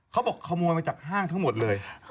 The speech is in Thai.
เขาบอกขโมยมาจากห้างทั้งหมดเลย